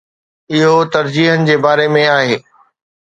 اهو ترجيحن جي باري ۾ آهي.